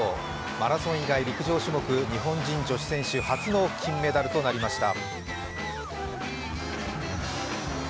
マラソン以外日本人女子種目初の金メダルとなりました。